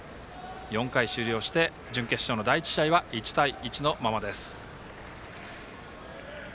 ４回終了して準決勝の第１試合は１対１のままです。